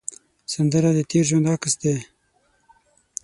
سندره د تېر ژوند عکس دی